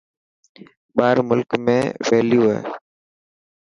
ٻاهر ملڪ ۾ ويليو هي.